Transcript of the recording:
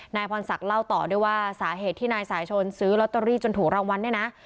นายพรศักดิ์เล่าต่อด้วยว่าสาเหตุที่นายสายชนซื้อลอตเตอรี่จนถูกรางวัลเนี่ยนะ